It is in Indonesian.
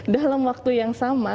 dalam waktu yang sama